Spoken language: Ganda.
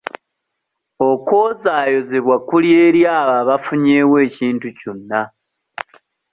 Okwozaayozebwa kuli eri abo abafunyeewo ekintu kyonna.